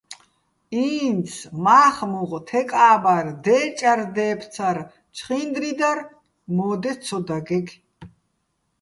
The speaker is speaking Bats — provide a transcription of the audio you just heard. ინც მა́ხ-მუღ, თეკ-ა́ბარ, დე́ჭარ-დე́ფცარ, ჩხინდრი დარ მო́დე ცო დაგეგე̆.